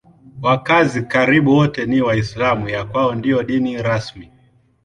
Wakazi karibu wote ni Waislamu; ya kwao ndiyo dini rasmi.